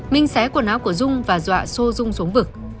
minh xé quần áo của dung và dọa sô dung xuống vực